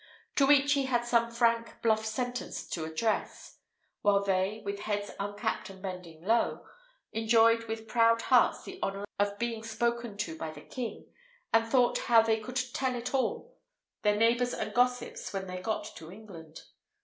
To each he had some frank, bluff sentence to address; while they, with heads uncapped and bending low, enjoyed with proud hearts the honour of being spoken to by the king, and thought how they could tell it to all their neighbours and gossips when they got to England.